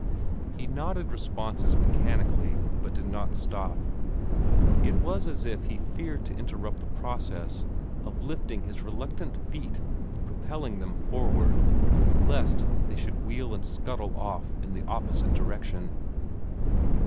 He nodded responses mechanically, but did not stop. It was as if he feared to interrupt the process of lifting his reluctant feet and propelling them forward, lest they should wheel and scuttle off in the opposite direction.